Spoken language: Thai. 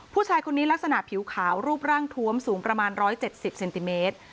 ผู้ชายคนนี้ลักษณะผิวขาวรูปร่างทวมสูงประมาณ๑๗๐เซนติเมตร